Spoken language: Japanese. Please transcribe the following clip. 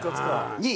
２位。